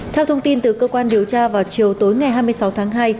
theo thông tin từ cơ quan điều tra vào chiều tối ngày hai mươi sáu tháng hai